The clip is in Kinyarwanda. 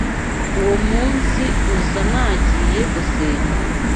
Uwo munsi uza nagiye gusenga